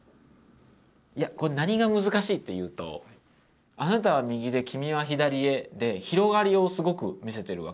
いやこれ何が難しいっていうと「あなたはみぎできみはひだりへ」で広がりをすごく見せてるわけですよね。